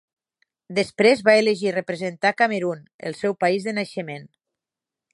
Després va elegir representar Camerun, el seu país de naixement.